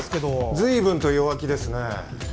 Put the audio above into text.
随分と弱気ですね。